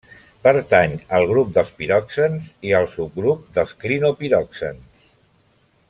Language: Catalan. Pertany al grup dels piroxens i al subgrup dels clinopiroxens.